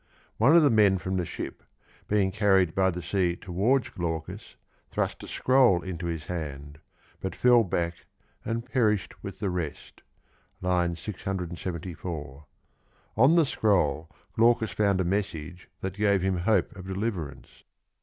One of the men from the ship, being carried by the sea towards Glaucus, thrust a scroll into his hand, but fell back and perished with the rest (674). On the scroll Glaucus found a message that gave him hope of deliverance.